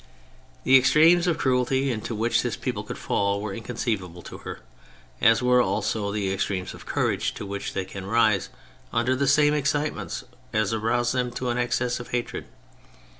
The extremes of cruelty into which this people could fall were inconceivable to her, as were also the extremes of courage to which they can rise under the same excitements as arouse them to an excess of hatred.